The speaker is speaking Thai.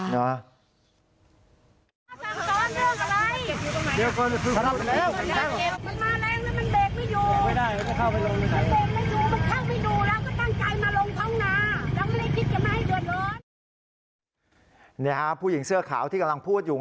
นี่ฮะผู้หญิงเสื้อขาวที่กำลังพูดอยู่